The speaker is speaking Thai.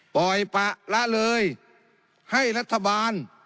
ปล่อยปะละเลยให้รัฐบาล